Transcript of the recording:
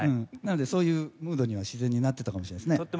なのでそういうムードには自然になってたかもしれないですね。